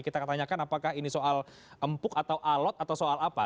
kita akan tanyakan apakah ini soal empuk atau alot atau soal apa